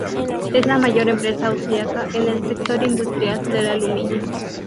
Es la mayor empresa austríaca en el sector industrial del aluminio.